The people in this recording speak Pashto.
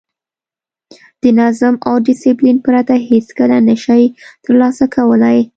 د نظم او ډیسپلین پرته هېڅکله نه شئ ترلاسه کولای.